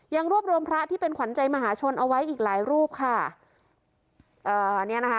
ยังรวบรวมพระที่เป็นขวัญใจมหาชนเอาไว้อีกหลายรูปค่ะเอ่อเนี้ยนะคะ